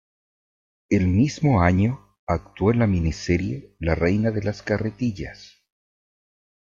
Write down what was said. El mismo año actuó en la miniserie "La reina de las carretillas".